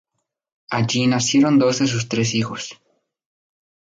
Allí nacieron dos de sus tres hijos.